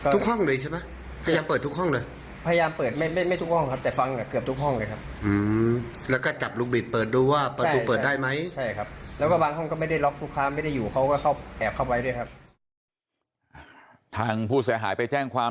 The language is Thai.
ทุกห้องเลยใช่มั้ยพยายามเปิดทุกห้องเลยพยายามเปิดไม่ทุกห้องครับ